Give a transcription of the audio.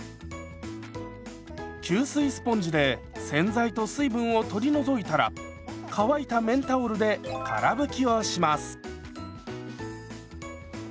吸水スポンジで洗剤と水分を取り除いたら乾いた綿タオルでから拭きをします。